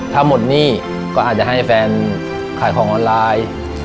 ถ้าหมดหนี้ก็อาจจะให้แฟนขายของออนไลน์